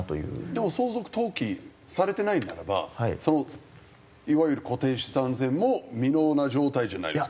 でも相続登記されてないならばいわゆる固定資産税も未納な状態じゃないですか？